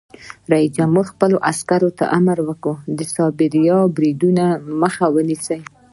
رئیس جمهور خپلو عسکرو ته امر وکړ؛ د سایبري بریدونو مخه ونیسئ!